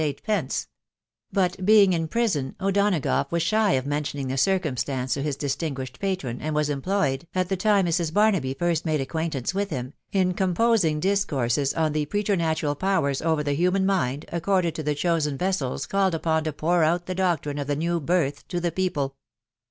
eight pence ; but being in prison, O'Donagough was shy of mentioning the circum* stance to his distinguished patron, and was employed, at the time Mrs. Barnaby first made acquaintance with him, in com* posing discourses " on the preternatural powers over the human mind, accorded to the chosen vessels called upon to pour out the doctrine of the new birth to the people."